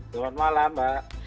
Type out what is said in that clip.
selamat malam mbak